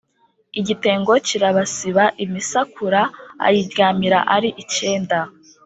Igitengo kirabasiba, imisakura ayiryamira ari icyenda,